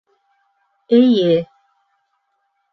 - Эйе.